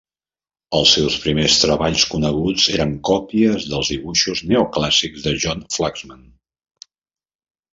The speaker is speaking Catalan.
els seus primers treballs coneguts eren còpies dels dibuixos neoclàssics de John Flaxman.